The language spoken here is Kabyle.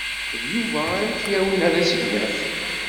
D Yuba ara k-yawin ɣer usegnaf.